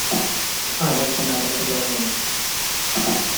I reckon I better go in.